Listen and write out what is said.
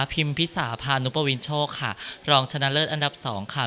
พิมพิสาพานุปวินโชคค่ะรองชนะเลิศอันดับสองค่ะ